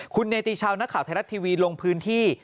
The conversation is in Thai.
คุณเนติชาวนักข่าวไทยรัฐทีวีลงพื้นที่